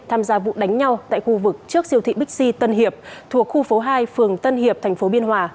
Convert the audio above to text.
tham gia vụ đánh nhau tại khu vực trước siêu thị bixi tân hiệp thuộc khu phố hai phường tân hiệp tp biên hòa